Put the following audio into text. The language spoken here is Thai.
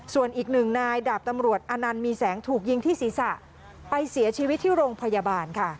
ส่วนอีกหนึ่งนายดาบตำรวจอนันต์มีแสงถูกยิงที่ศีรษะไปเสียชีวิตที่โรงพยาบาลค่ะ